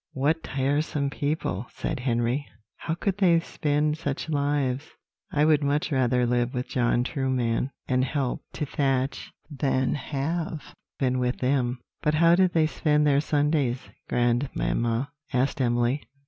"What tiresome people!" said Henry; "how could they spend such lives? I would much rather live with John Trueman, and help to thatch, than have been with them." "But how did they spend their Sundays, grandmamma?" asked Emily.